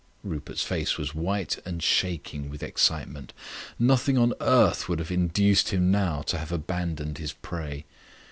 Rupert's face was white and shaking with excitement; nothing on earth would have induced him now to have abandoned his prey.